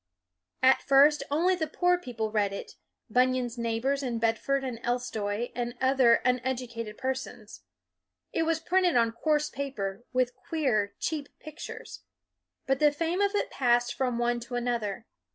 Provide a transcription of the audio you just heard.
At first, only poor people read it, Bun yan's neighbors in Bedford and Elstow, and other uneducated persons. It was printed on coarse paper, with queer, cheap pictures. But the fame of it passed from one to another.